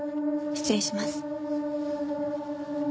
失礼します。